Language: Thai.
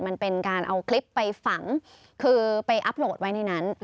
มันเป็นการเอาคลิปไปฝังคือไปอัพโหลดไว้ในนั้น